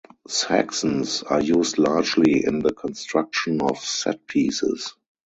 Saxons are used largely in the construction of set pieces.